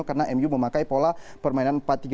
karena mu memakai pola permainan empat tiga